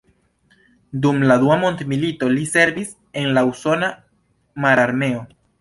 Dum la Dua Mondmilito li servis en la usona mararmeo.